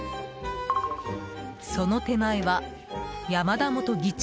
その手前は山田元議長